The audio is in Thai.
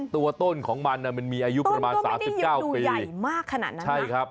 ตัวต้นของมันมีอายุประมาณ๓๙ปี